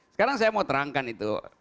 sekarang saya mau terangkan itu